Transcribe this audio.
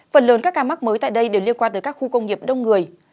phần lớn các ca mắc mới tại đây đều liên quan tới các khu công nghiệp đông người